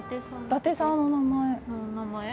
伊達さんのお名前。